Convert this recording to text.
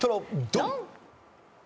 ドン！